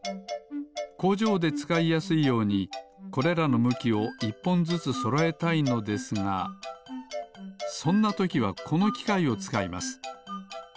こうじょうでつかいやすいようにこれらのむきを１ぽんずつそろえたいのですがそんなときはこのきかいをつかいます。